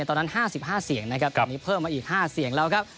ตอนนั้น๕๕เสียงนะครับตอนนี้เพิ่มมาอีก๕เสียงแล้วครับ